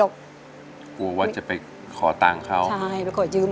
กลัวว่าจะไปขอตังค์เขาใช่ไปขอยืม